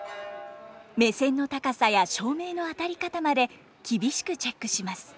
目線の高さや照明の当たり方まで厳しくチェックします。